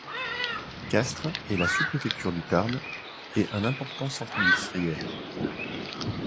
Castres est la sous-préfecture du Tarn et un important centre industriel.